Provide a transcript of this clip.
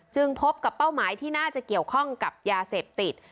พบกับเป้าหมายที่น่าจะเกี่ยวข้องกับยาเสพติด